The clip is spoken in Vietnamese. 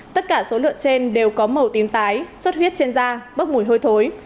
tất cả số lượng trên đều có màu tím tái suốt huyết trên da bớt mùi hôi thối